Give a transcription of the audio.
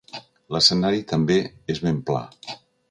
L'escenari també és ben pla.